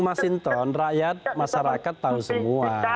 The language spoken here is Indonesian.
mas hinton rakyat masyarakat tahu semua